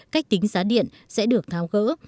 cách tính giá điện sẽ được tháo gỡ